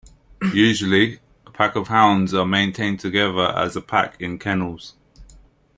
Usually, a pack of hounds are maintained together as a pack in kennels.